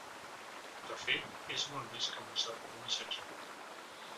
De fet, és molt més que un servei de missatgeria.